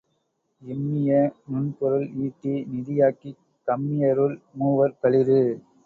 இம்மிய நுண்பொருள் ஈட்டி நிதியாக்கிக் கம்மியருள் மூவர் களிறு.